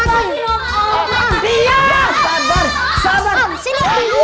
tidak sabar sabar